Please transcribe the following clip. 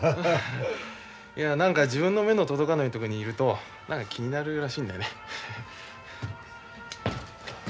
いや何か自分の目の届かないとこにいると気になるらしいんだよね。